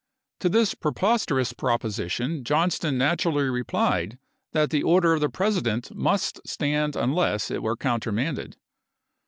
To this preposterous proposition Johnston naturally replied that the order of the President must stand unless it were countermanded.